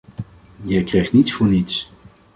Je krijgt niets voor niets.